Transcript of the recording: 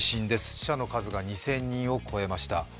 死者の数が２０００人を超えました。